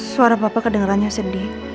suara papa kedengerannya sedih